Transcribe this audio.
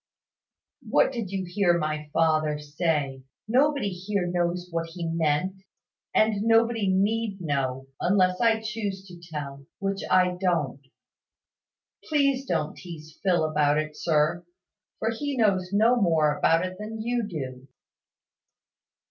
"What did you hear my father say? Nobody here knows what he meant? And nobody need know, unless I choose to tell which I don't. Please don't teaze Phil about it, sir: for he knows no more about it than you do."